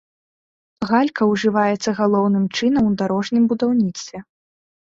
Галька ўжываецца галоўным чынам у дарожным будаўніцтве.